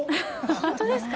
本当ですか。